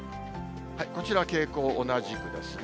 こちらは傾向、同じくですね。